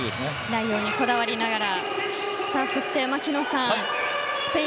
内容にこだわりながら。